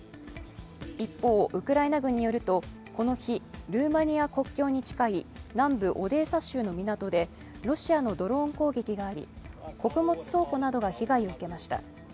一方、ウクライナ軍によるとこの日、ルーマニア国境に近い南部オデーサ州の港でロシアのドローン攻撃があり穀物倉庫などが被害を受けました。